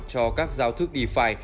cho các giao thức defi